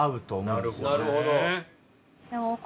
なるほど。